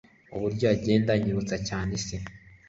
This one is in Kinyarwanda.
Uburyo agenda anyibutsa cyane se